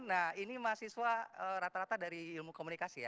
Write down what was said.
nah ini mahasiswa rata rata dari ilmu komunikasi ya